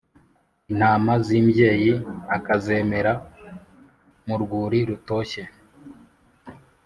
intama z’imbyeyi akazemera mu rwuri rutoshye.